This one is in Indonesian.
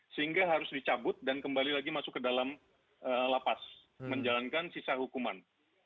sehingga harus dicabut dan kembali lagi masuk ke dalam lapas menjalankan sisa hukuman